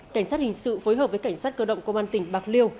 cảnh sát hình sự phối hợp với cảnh sát cơ động công an tỉnh bạc liêu